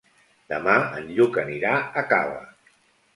Demà en Lluc anirà a Cava.